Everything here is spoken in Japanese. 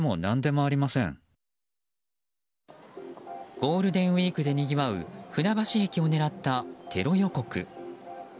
ゴールデンウィークでにぎわう船橋駅を狙ったテロ予告。